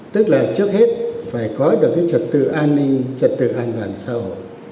tức là trước hết phải có được trật tự an ninh trật tự an toàn sau